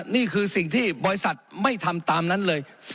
นี่คือสิ่งที่บริษัทไม่ทำตามนั้นเลย